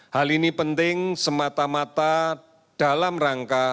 hal ini penting semata mata dalam rangka